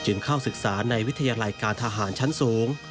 เข้าศึกษาในวิทยาลัยการทหารชั้นสูง